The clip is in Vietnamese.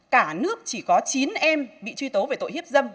cả nước chỉ có chín em bị truy tố về tội hiếp dâm